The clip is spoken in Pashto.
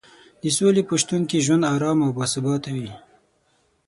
د سولې په شتون کې ژوند ارام او باثباته وي.